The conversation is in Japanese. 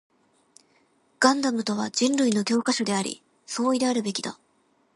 ガンダムとは人類の教科書であり、総意であるべきだ